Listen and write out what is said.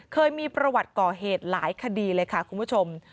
เคยมีประวัติก่อเหตุหลายคดีเลยค่ะคุณผู้ชม